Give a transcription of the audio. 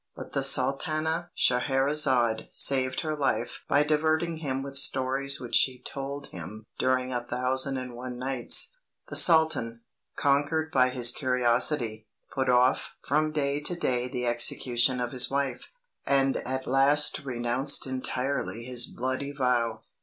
But the Sultana Scheherazade saved her life by diverting him with stories which she told him during a thousand and one nights. The Sultan, conquered by his curiosity, put off from day to day the execution of his wife, and at last renounced entirely his bloody vow.